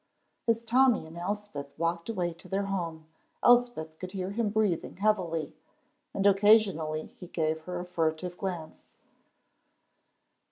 As Tommy and Elspeth walked away to their home, Elspeth could hear him breathing heavily, and occasionally he gave her a furtive glance.